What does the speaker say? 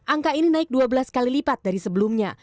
angka ini naik dua belas kali lipat dari sebelumnya